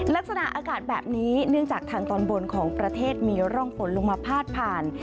ลักษณะอากาศแบบนี้เนื่องจากทางตอนบนของประเทศมีร่องฝนลงมาพาดผ่าน